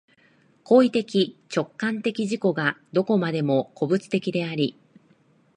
行為的直観的自己がどこまでも個物的であり、